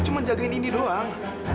cuma jagain indi doang